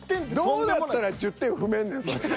どうなったら１０点踏めんねんそれ。